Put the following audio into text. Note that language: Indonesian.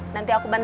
nanti aku bantuin